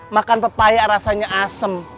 makan pepaya rasanya asem